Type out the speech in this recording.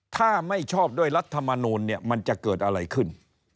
ถ้าไม่ชอบด้วยรัฐมนูลเนี่ยมันจะเกิดอะไรขึ้น